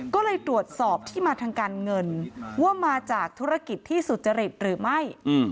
ก็เลยตรวจสอบที่มาทางการเงินว่ามาจากธุรกิจที่สุจริตหรือไม่